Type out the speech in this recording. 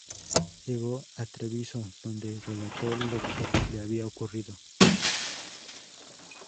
Llegó a Treviso donde relató lo que le había ocurrido.